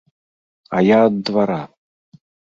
А я ад двара.